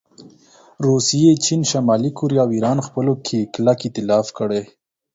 روسیې، چین، شمالي کوریا او ایران خپلو کې کلک ایتلاف کړی